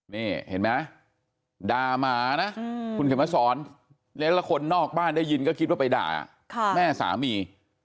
นี่เห็นไหมด่าหมานะคุณเขียนมาสอนแล้วคนนอกบ้านได้ยินก็คิดว่าไปด่าแม่สามี